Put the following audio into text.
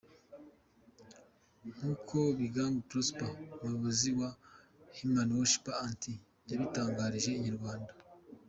Nkuko Bigangu Prosper umuyobozi wa Heman worshipers Int’l yabitangarije Inyarwanda.